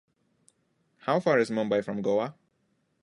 How far is Mumbai from Goa?